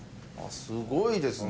すごいですね。